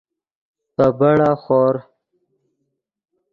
پے بڑا خور